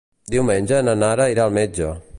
Diumenge na Nara irà al metge.